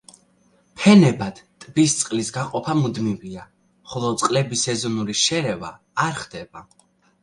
ფენებად ტბის წყლის გაყოფა მუდმივია, ხოლო წყლების სეზონური შერევა არ ხდება.